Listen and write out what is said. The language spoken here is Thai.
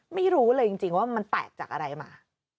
ไม่รู้เลยจริงว่ามันแตกจากอะไรมา